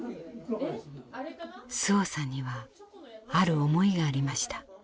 周防さんにはある思いがありました。